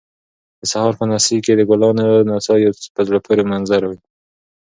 د سهار په نسي کې د ګلانو نڅا یو په زړه پورې منظر وي